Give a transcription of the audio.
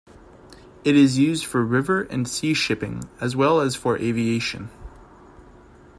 It is used for river and sea shipping, as well as for aviation.